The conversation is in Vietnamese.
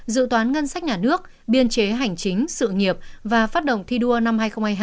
dự toán ngân sách nhà nước biên chế hành chính sự nghiệp và phát động thi đua năm hai nghìn hai mươi hai